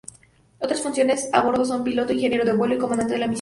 Otras funciones a bordo son piloto, ingeniero de vuelo y comandante de la misión.